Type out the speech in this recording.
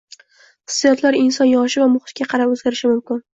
Hissiyotlar inson yoshi va muhitiga qarab o’zgarishi mumkin